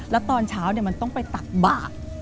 แล้วตอนเช้ามันต้องไปตักบาก